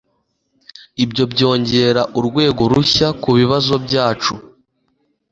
Ibyo byongera urwego rushya kubibazo byacu